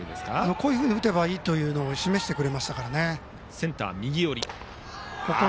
こういうふうに打てばいいと示してくれましたから。